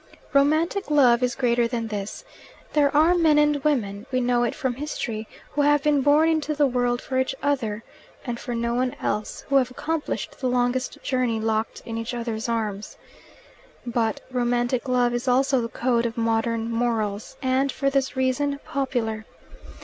Romantic love is greater than this. There are men and women we know it from history who have been born into the world for each other, and for no one else, who have accomplished the longest journey locked in each other's arms. But romantic love is also the code of modern morals, and, for this reason, popular.